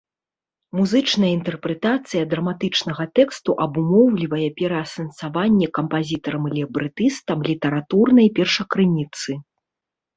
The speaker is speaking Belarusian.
Музычная інтэрпрэтацыя драматычнага тэксту абумоўлівае пераасэнсаванне кампазітарам і лібрэтыстам літаратурнай першакрыніцы.